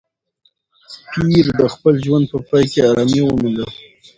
پییر د خپل ژوند په پای کې ارامي وموندله.